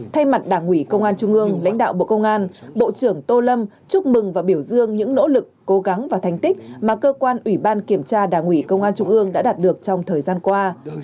thay mặt đảng ủy công an trung ương lãnh đạo bộ công an bộ trưởng tô lâm chúc mừng và biểu dương những nỗ lực cố gắng và thành tích mà cơ quan ủy ban kiểm tra đảng ủy công an trung ương đã đạt được trong thời gian qua